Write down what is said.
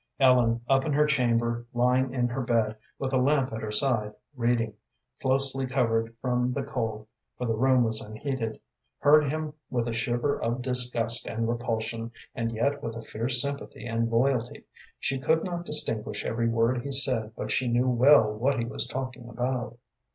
Ellen, up in her chamber, lying in her bed, with a lamp at her side, reading, closely covered from the cold for the room was unheated heard him with a shiver of disgust and repulsion, and yet with a fierce sympathy and loyalty. She could not distinguish every word he said, but she knew well what he was talking about.